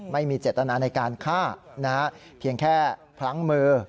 ไม่มีเจตนาในการฆ่าเพียงแค่พลั้งมือ